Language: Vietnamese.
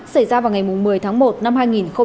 xảy ra vào ngày một mươi tháng một năm hai nghìn hai mươi